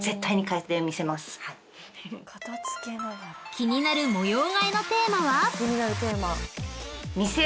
［気になる模様替えのテーマは？］